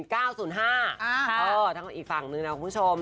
ตั้งของอีกฝั่งนึงเนาะคุณผู้ชม